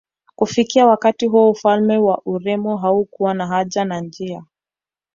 Kufikia wakati huo ufalme wa Ureno haukuwa na haja na njia